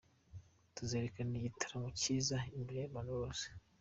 Tuzerekana igitaramo cyiza imbere y’abantu bose.